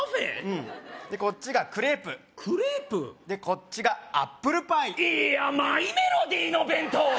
うんでこっちがクレープクレープ？でこっちがアップルパイいーやマイメロディの弁当！